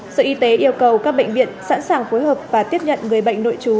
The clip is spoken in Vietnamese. sở y tế yêu cầu các bệnh viện sẵn sàng phối hợp và tiếp nhận người bệnh nội trú